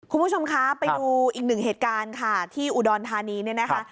คุณผู้ชมคะไปดูอีกหนึ่งเหตุการณ์ค่ะที่อุดรธานีเนี่ยนะคะ